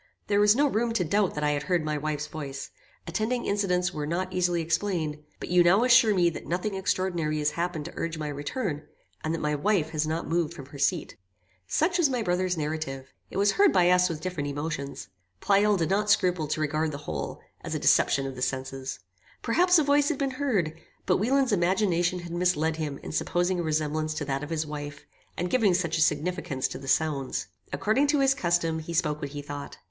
There was no room to doubt that I had heard my wife's voice; attending incidents were not easily explained; but you now assure me that nothing extraordinary has happened to urge my return, and that my wife has not moved from her seat." Such was my brother's narrative. It was heard by us with different emotions. Pleyel did not scruple to regard the whole as a deception of the senses. Perhaps a voice had been heard; but Wieland's imagination had misled him in supposing a resemblance to that of his wife, and giving such a signification to the sounds. According to his custom he spoke what he thought.